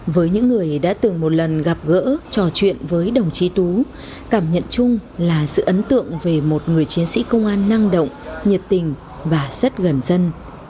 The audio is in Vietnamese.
với những người đã từng một lần gặp gỡ trò chuyện với đồng chí tú cảm nhận chung là sự ấn tượng về một người chiến sĩ công an năng động nhiệt tình và rất gần dân